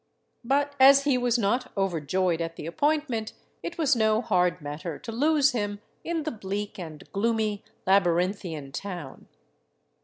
But as he was not overjoyed at the appointment, it was no hard matter to lose him in the bleak and gloomy labyrinthian town.